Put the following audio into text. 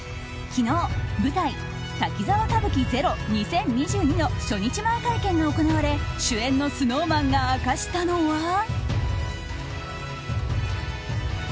昨日、舞台「滝沢歌舞伎ＺＥＲＯ２０２２」の初日前会見が行われ主演のＳｎｏｗＭａｎが明かしたのは。